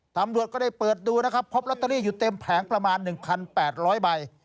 ตำรวจก็ได้เปิดดูนะครับพบลอตเตอรี่อยู่เต็มแผงประมาณ๑๘๐๐ใบ